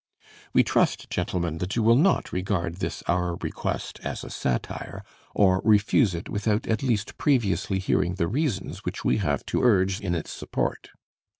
We trust, gentlemen, that you will not regard this our request as a satire, or refuse it without at least previously hearing the reasons which we have to urge in its support.